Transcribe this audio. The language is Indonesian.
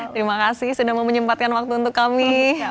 terima kasih sudah menyebatkan waktu untuk kami